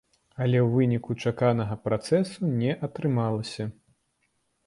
Але ў выніку чаканага працэсу не атрымалася.